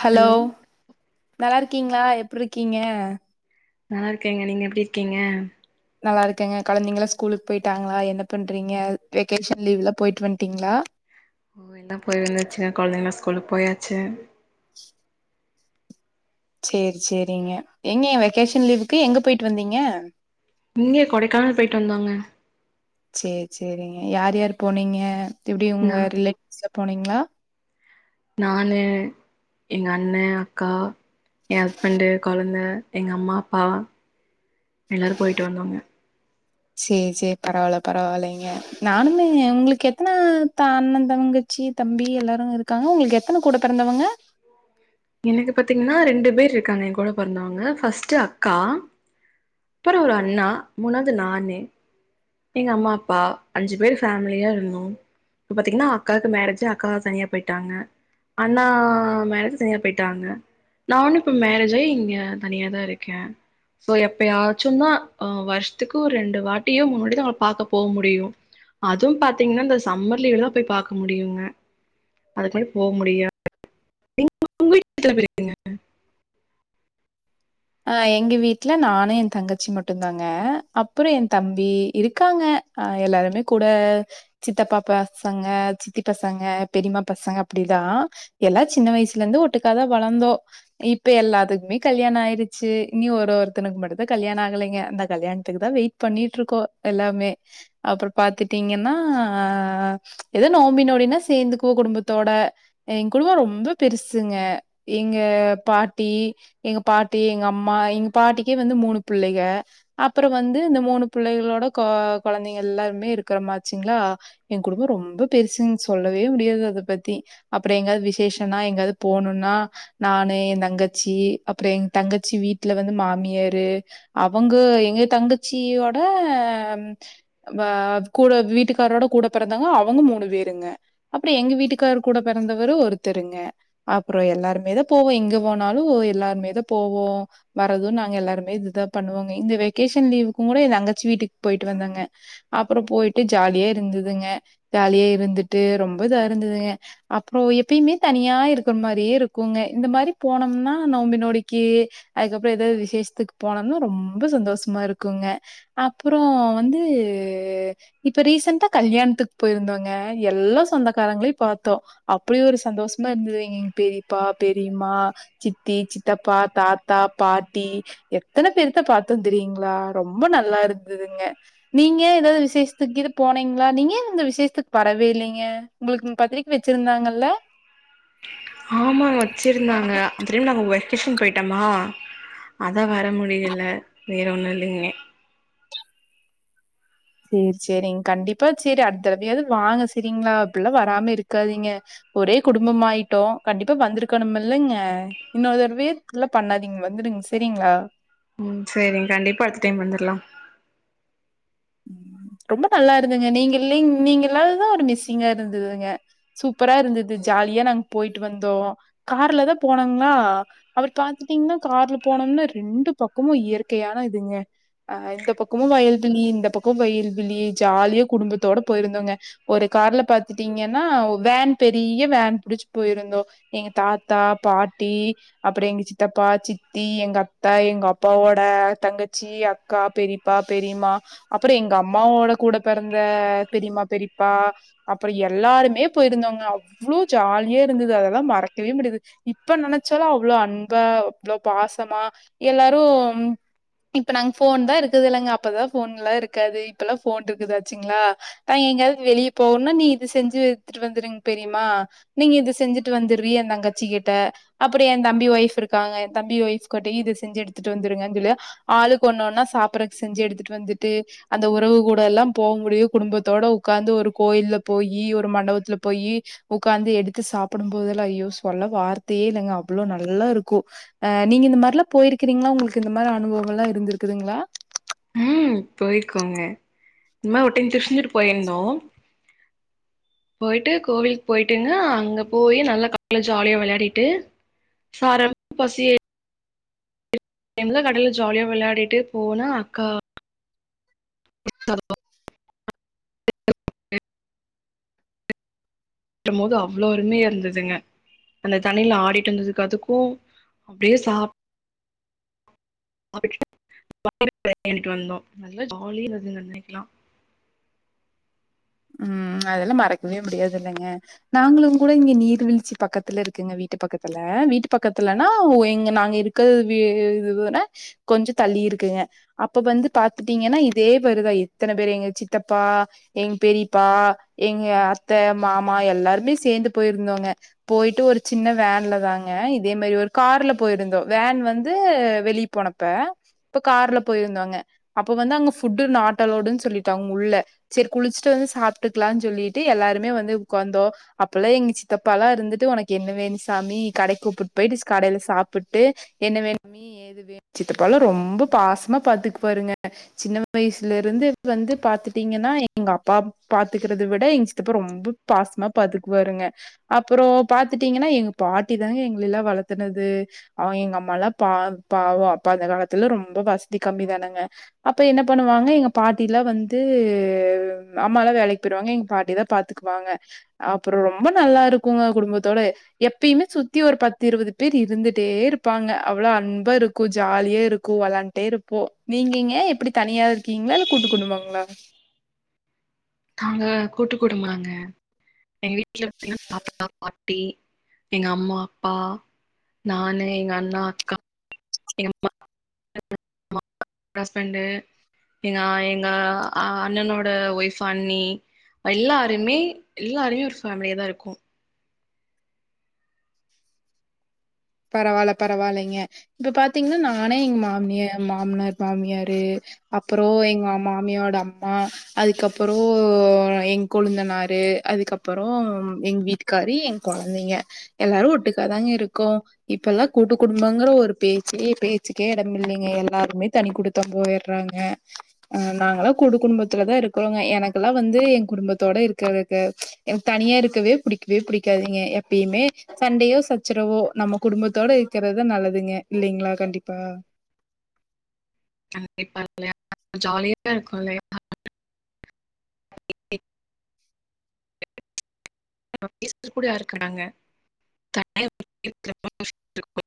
hello நல்லா இருக்கீங்களா எப்ரு இருக்கீங்க நல்லா இருக்கேங்க நீங்க எப்டி இருக்கீங்க நல்லா இருக்கங்க கொழந்தைங்கள ஸ்கூலுக்கு போய்ட்டாங்களா என்ன பண்றீங்க வெகேஷன் லீவ்லா போய்ட்டு வந்ட்டீங்களா ஓ எல்லா போய் வந்துச்சுங்க கெழந்தைங்கா ஸ்கூலு போயாச்சு சேரி சேரிங்க எங்க வெகேஷன் லீவுக்கு எங்க போய்ட்டு வந்தீங்க இங்கே கொடைக்கானல் போய்ட்டு வந்தாங்க சேரி சேரிங்க யார் யார் போனீங்க எப்டி உங்க நா ரிலேட்டிவ்ஸ்ல போனீங்களா நானு எங்க அண்ணே அக்கா ஏ ஹஸ்பண்டு கொழந்த எங்க அம்மா அப்பா எல்லாரு போய்ட்டு வந்தோங்க சேரி சேரி பரவால்ல பரவால்லைங்க நானுமே உங்களுக்கு எத்தன த அண்ண தங்கச் ச்சி தம்பி எல்லாரு இருக்காங்க உங்களுக்கு எத்தன கூட பிறந்தவங்க எனக்கு பாத்தீங்கன்னா ரெண்டு பேரு இருக்காங்க எ கூட பொறந்தவங்க ஃபஸ்ட்டு அக்கா அப்றோ ஒரு அண்ணா மூணாவ்து நானு எங்க அம்மா அப்பா அஞ்சு பேர் ஃபேமிலியா இருந்தோ இப்ப பாத்தீங்கன்னா அக்காக்கு மேரேஜ் அக்கா தனியா போய்ட்டாங்க அண்ணா மேரேஜு தனியா போய்ட்டாங்க நானு இப்ப மேரேஜ் ஆய் இங்கே தனியாதா இருக்கே சோ எப்பயாச்சுந்தா ஆ வர்ஷத்துக்கு ஒரு ரெண்டு வாட்டியோ மூணு வாட்டியோ தா பாக்க போக முடியு அதுவு பாத்தீங்கன்னா இந்த சம்மர் லீவுல தா போய் பாக்க முடியுங்க அதுக்கு மேலே போ முடியாது நீங்க உங்க வீட்டுல எத்தன பேரு இருக்கீங்க அ எங்க வீட்டுல நானு ஏ தங்கச்சி மட்டு தாங்க அப்றோ ஏ தம்பி இருக்காங்க ஆ எல்லாருமே கூட சித்தப்பா பசங்க சித்தி பசங்க பெரியமா பசங்க அப்படிலா எல்லா சின்ன வயசுல இருந்து ஒட்டுக்காதா வளந்தோ இப்ப எல்லாத்துக்குமே கல்யாண ஆயிரு ச்சி இன்னியு ஒரு ஒருத்தனுக்கு மட்டுதா கல்யாண ஆகலைங்க அந்த கல்யாணத்துக்கு தா வெயிட் பண்ணிட்டு இருக்கோ எல்லாமே அப்றோ பாத்துட்டீங்கன்னா அ ஏதோ நோம்பி நோடின்னா சேந்துக்குவோ குடும்பத்தோட எங்க குடும்போ ரொம்ப பெருசுங்க எங்க பாட்டி எங்க பாட் டி எங்க அம்மா எங்க பாட்டிக்கே வந்து மூணு பிள்ளைக அப்றோ வந்து இந்த மூணு பிள்ளைகளோட கொ கொழந்தைங்க எல்லாருமே இருக்கிறமாச்சுங்களா எங்க குடும்போ ரொம்ப பெருசுங்க சொல்லவே முடியாது அத பத்தி அப்றோ எங்காது விசேஷனா எங்கயாது போணுனா நானு ஏ தங்கச்சி அப்றோ எங் தங்கச்சி வீட்டுல வந்து மாமியாரு அவ்ங்க எங்க தங்கச்சியோட வா கூட வீட்டுக்காரரோட கூட பெறந்தாங்க அவுங்க மூணு பேருங்க அப்ற எங்க வீட்டுக்காரு கூட பெறந்தவரு ஒருத்தருங்க அப்பறோ எல்லாருமேதா போவோ எங்க போனாலு எல்லாருமேதா போவோ வரது நாங்க எல்லாருமே இதுதா பண்ணுவோங்க இந்த வெக்கேஷன் லீவுக்குங் கூட ஏ தங்கச்சி வீட்டுக் போய்ட்டு வந்தங்க அப்பறோ போயிட்டு ஜாலியா இருந்துதுங்க ஜாலியா இருந்துட்டு ரொம்ப இதா இருந்துதுங்க அப்றோ எப்பயுமே தனியா இருக்கிற் மாரியே இருக்குங்க இந்த மாரி போனோம்னா நோம்பி நோடி க்கி அதுக்கப்பறோ எதாது விசேஷ்த்துக்கு போனோம்னா ரொம்ப சந்தோஷ்மா இருக்குங்க அப்பறோ வந்து இப்ப ரீசெண்டா கல்யாண்த்துக் போயிருந்தோங்க எல்லா சொந்தக்காரங்கள்யு பாத்தோ அப்புடி ஒரு சந்தோஷ்மா இருந்துது எங் பெரிப்பா பெரியம்மா சித்தி சித் தப்பா தாத்தா பாட்டி எத்தன பேருத்தா பாத்தோ தெரியுங்ளா ரொம்ப நல்லா இருந்ததுங்க நீங்க எதாது விசேஷ்த்துக்கு இது போனீங்ளா நீங்க ஏ இந்த விசேஷ்த்துக்கு வரவே இல்லைங்க உங்களுக்குங் பத்திரிக் வெச்சிருந்தாங்கல்ல ஆமா வச்சிருந்தாங்க [unintelligible] நாங்க வெக்கேஷன் போயிட்டமா அதா வர முடியலே வேற ஒன்னு இல்லைங்கே சேரி சேரிங் கண்டிப்பா சேரி அட்த்தடவயாவது வாங்க சேரிங்ளா அப்பில்லா வராம இருக்காதீங்க ஒரே குடும்பம் ஆயிட்டோ கண்டிப்பா வந்திருக்கணும்மில்லைங்க இன்னொருதடவே இப்பில்லா பண்ணாதீங் வந்துடுங் சேரிங்ளா ம் சேரிங் கண்டிப்பா அடுத்த டைம் வந்துர்லா ம் ரொம்ப நல்லா இருந்துங்க நீங்க இல்லைங் நீங்க இல்லாததுதா ஒரு மிஸ்ஸிங்கா இருந்துதுங்க சூப்பரா இருந்தது ஜாலியா நாங் போய்ட்டு வந்தோ கார்லதா போனோங்ளா அபற பாத்துட்டீங்னா கார்ல போனோம்னு ரெண்டு பக்கமு இயற்கையான இதுங்க அ இந்த பக்கமு வயல்விளி இந்த பக்கோ வயல் விளி ஜாலியா குடும்பத்தோட போயிருந்தோங்க ஒரு கார்ல பாத்துட்டீங்கனா வேன் பெரிய வேன் புடிச்சு போயிருந்தோ எங்க தாத்தா பாட்டி அப்பற எங்க சித்தப்பா சித்தி எங்க அத்த எங்க அப்பாவோட தங்கச்சி அக்கா பெரி ப்பா பெரிமா அப்றோ எங்க அம்மாவோட கூட பெறந்த பெரிமா பெரிப்பா அப்புறோ எல்லாருமே போயிருந்தோங்க அவ்ளோ ஜாலியா இருந்தது அதெல்லா மறக்கவே முடியாது இப்ப நெனச்சாலு அவ்ளோ அன்பா அவ்ளோ பாசமா எல்லாரு ம் இப்ப நாங் ஃபோன் தா இருக்குது இல்லங்க அப்பதா ஃபோன்லா இருக்காது இப்பெல்லா ஃபோன்டுருக்குது ஆச்சுங்ளா அ எங்கயாவ்து வெளிய போவ்னா நீ இது செஞ்சு எடுத்துட்டு வந்துருங் பெரிமா நீங்க இது செஞ்சிட்டு வந்துர்ரி எந்தங்கச்சி கிட்ட அப்பற எ தம்பி ஒய்ஃப் இருக்காங்க எ தம்பி ஒய்ஃப் கட்டயு இது செஞ்சு எடுத்துட்டு வந்துருங்கன் சொல்லி ஆளுக் ஒண்ணொன்னா சாப்பறக் செஞ்சு எடுத்துட்டு வந்துட்டு அந்த உறவு கூட எல்லா போவ் முடியு குடும்பத்தோட உக்காந்து ஒரு கோயில்ல போயி ஒரு மண்டபத்துல போயி உக்காந்து எடுத்து சாப்பிடும் போதெல்லா ஐயோ சொல்ல வார்த்தையே இல்லங்க அவ்வளோ நல்லா இருக்கு அ நீங்க இந்த மாறிலா போயிருக்கிறீங்ளா உங்களுக்கு இந்த மாறி அனுபவமெல்லா இருந்திருக்குதுங்ளா ம் போயிருக்கோங்க இந் மாரி ஒரு டைம் திருச்சொந்தூர் போயிந்தோ [inaudible] போயிட்டு கோவிலுக் போய்ட்டுங்க அங்க போயி நல்லா கடல்ல ஜாலியா விளயாடிட்டு [unintelligible] எல்லா கடல்ல ஜாலியா விளயாடிட்டு போனா அக்கா [inaudible] மோது அவ்ளோ அரும்யா இருந்ததுங்க அந்த தண்ணில ஆடிட்டுருந்ததுக்கு அதுக்கு அப்டியே சாப் [unintelligible] ஜாலியா இருந்தது ம் அதெல்லா மறக்கவே முடியாது இல்லங்க நாங்களு கூட இங்க நீர்வீழ்ச்சி பக்கத்துல இருக்குங்க வீட்டு பக்கத்துல வீட்டு பக்கத்துலனா ஒ எங்க நாங்க இரு க்க வீட விட கொஞ்ச தள்ளியிருக்குங்க அப்ப வந்து பாத்துட்டீங்கனா இதே பேருதா இத்தன பேர் எங்க சித்தப்பா எங பெரிப்பா எங்க அத்த மாமா எல்லாருமே சேந்து போயிருந்தோங்க போயிட்டு ஒரு சின்ன வேன்ல தாங்க இதே மாறி ஒரு கார்ல போயிருந்தோ வேன் வந்து வெளிய போன அப்ப இப்ப கார்ல போயிருந்தோங்க அப்ப வந்து அங்க ஃபுட்டு் நாட் அலோடுன்னு சொல்லிட்டாங்க உள்ள சேரி குளிச் சிட்டு வந்து சாப்ட்டுக்கலாம்னு சொல்லிட்டு எல்லாருமே வந்து உக்காந்தோ அப்பெல்லா எங்க சித்தப்பாலா இருந்துட்டு உனக்கு என்ன வேணு சாமி கடைக்கு கூப்புட்டு போயிட்டு கடைல சாப்புட்டு என்ன வேணு சாமி இதுவே சித்தப்பாலா ரொம்ப பாசமா பாத்துப்பாருங்க சின்ன வயசுலருந்து வந்து பாத்துட்டீங்கனா எங்க அ ப்பா பாத்துக்கறத விட எங்க சித்தப்பா ரொம்ப பாசமா பாத்துக்வாருங்க அப்றோ பாத்துட்டீங்கனா எங்க பாட்டி தாங்க எங்களல்லா வளத்துனது அவங்க எங்க அம்மாலா பாவ பாவம் அப்ப அந்த காலத்துல ரொம்ப வசதி கம்மி தானங்க அப்ப என்ன பண்ணுவாங்க எங்க பாட்டிலா வந்து அம்மாலா வேலைக் போயிருவாங்க எங்க பாட்டிதா பாத்துக்குவாங்க அப்றோ ரொம்ப நல்லா இருக்குங்க குடும்பத்தோட எப்பயுமே சுத்தி ஒரு பத்து இருபது பேர் இருந்துட்டே இருப்பாங்க அவ்ளோ அன்பா இருக்கும் ஜாலியா இருக்கும் விளையா ட்டே இருப்போ நீங்கீங்க எப்டி தனியா இருக்கீங்களா இல்ல கூட்டு குடும்பங்களா நாங்க கூட்டு குடும்பங்க எங்க வீட்ல பாத்தீங்கன்னா தாத்தா பாட்டி [unintelligible] ட்டி எங்க அம்மா அப்பா நானு எங்க அண்ணா அக்கா எங்க மா [inaudible] ஹஸ்பண்டு எங்க ஆ எங்க அண்ணனோட ஒய்ஃப் அண்ணி எல்லாருமே எல்லாருமே ஒரு ஃபேம்லியா தா இருப்போ பரவால்ல பரவால்லைங்க இப்ப பாத்தீங்கன்னா நானே எங்க மாமியா மாமனார் மாமியாரு அப்புறோ எங்க மாமியோட அம்மா அதுக்கப்புறோ எங்க கொளுந்தனாரு அதுக்கப்புறோ எங்க வீட்டு காரு என் கொழந்தைங்க எல்லாரு ஒட்டுக்கா தாங்க இருக்கோ இப்பல்லா கூட்டு குடும்பங்கற ஒரு பேச்சே பேச்சுக்கே எடமில்லைங்க எல்லாருமே தனி குடு த்தனம் போய்றாங்க ம் நாங்கல்லா கூட்டு குடும்பத்துல தா இருக்குறோங்க எனக்கெல்லா வந்து என் குடும்பத்தோட இருக்கறக்கு எனக்கு தனியா இருக்கவே புடிக்கவே புடிக்காதுங்க எப்பயுமே சண்டையோ சச்சரவோ நம்ம குடும்பத்தோட இருக்கறது தா நல்லதுங்க இல்லைங்களா கண்டிப்பா [unintelligible] கண்டிப்பா இல்லையா ஜாலியா இருக்கு இல்லையா பேச கூட யாரு இருக்காங்க தனியா [inaudible] இருக்கும்